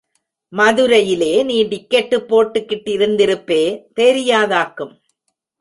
மதுரையிலே நீ டிக்கெட்டுப் போட்டுக் கிட்டிருந்திருப்பே, தெரியாதாக்கும்.